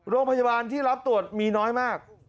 โรงพยาบาลที่รับตรวจมีน้อยมาก